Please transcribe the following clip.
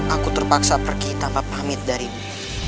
aku terpaksa pergi tanpa pamit darimu